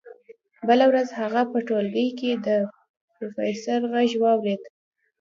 بله ورځ هغه په ټولګي کې د پروفیسور غږ واورېد